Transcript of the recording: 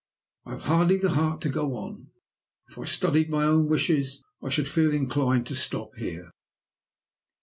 "I have hardly the heart to go on. If I studied my own wishes, I should feel inclined to stop here.